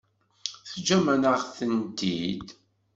Teǧǧam-aɣ-tent-id.